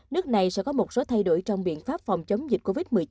nước này sẽ có một số thay đổi trong biện pháp phòng chống dịch